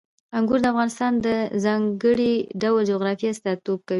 انګور د افغانستان د ځانګړي ډول جغرافیې استازیتوب کوي.